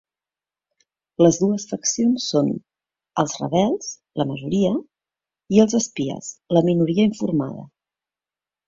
Les dues faccions són: els rebels, la majoria; i els espies, la minoria informada.